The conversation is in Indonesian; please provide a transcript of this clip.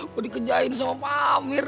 gue dikejain sama pamir